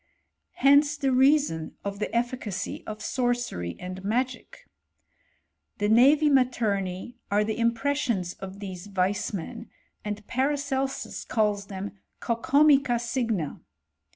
Hence the reason of the eflfcacy of sorcery and magic. The tubvI matemi are the impressions of these vice men, and Paracelsus calls them cocomica signa.